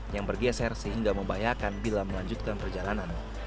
yang bergeser sehingga membahayakan bila melanjutkan perjalanan